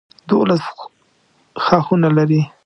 دولس ښاخونه لري.